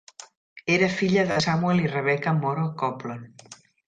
Era filla de Samuel i Rebecca Moroh Coplon.